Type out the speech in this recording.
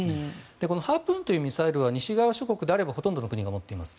このハープーンというのは西側諸国であればほとんどの国が持っています。